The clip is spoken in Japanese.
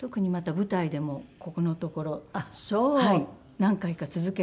何回か続けて。